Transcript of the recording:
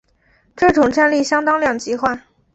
这种战力相当两极化。